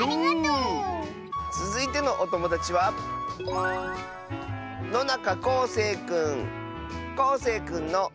つづいてのおともだちはこうせいくんの。